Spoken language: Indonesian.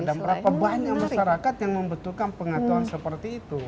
dan berapa banyak masyarakat yang membutuhkan pengetahuan seperti itu